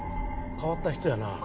変わった人やな。